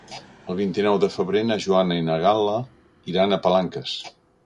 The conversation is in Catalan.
El vint-i-nou de febrer na Joana i na Gal·la iran a Palanques.